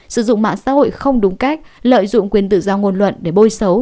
sử dụng mạng xã hội không đúng cách lợi dụng quyền tự do ngôn luận để bôi xấu